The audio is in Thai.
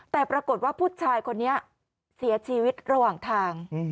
แต่ปรากฏว่าผู้ชายคนนี้เสียชีวิตระหว่างทาง